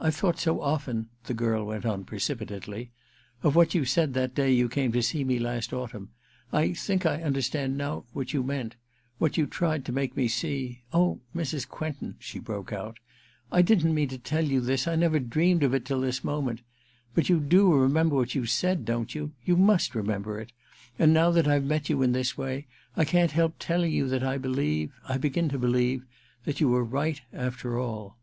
•I've thought so often,' the girl went on precipitately, *of what you said that day you came to see me last autumn. I think I under stand now what you meant — what you tried to make me see. ... Oh, Mrs. Quentin,' she broke out, * I didn't mean to tell you this — I never dreamed of it till this moment — but you do remember what you said, don't you ? You must remember it ! And now that I've met you in this way, I can't help telling you that I believe — I begin to believe — that you were quite right, after all.'